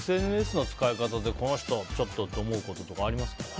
ＳＮＳの使い方でこの人、ちょっとって思うこと、ありますか？